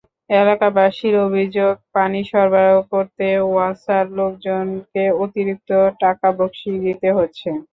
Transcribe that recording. এলাকাবাসীর অভিযোগ, পানি সরবরাহ করতেও ওয়াসার লোকজনকে অতিরিক্ত টাকা বকশিশ দিতে হচ্ছে।